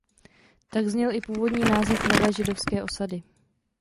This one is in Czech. Tak zněl i původní název nové židovské osady.